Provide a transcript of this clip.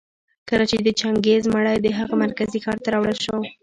کله چي د چنګېز مړى د هغه مرکزي ښار ته راوړل شو